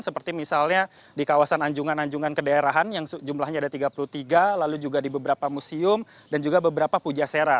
seperti misalnya di kawasan anjungan anjungan kedaerahan yang jumlahnya ada tiga puluh tiga lalu juga di beberapa museum dan juga beberapa pujasera